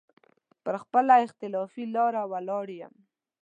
پر خپله اختلافي لاره ولاړ يم.